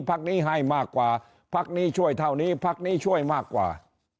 พักนี้ให้มากกว่าพักนี้ช่วยเท่านี้พักนี้ช่วยมากกว่า